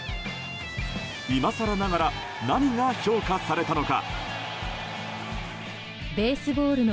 いまさらながら何が評価されたのか？